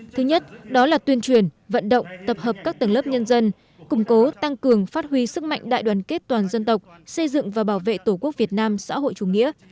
thứ nhất đó là tuyên truyền vận động tập hợp các tầng lớp nhân dân củng cố tăng cường phát huy sức mạnh đại đoàn kết toàn dân tộc xây dựng và bảo vệ tổ quốc việt nam xã hội chủ nghĩa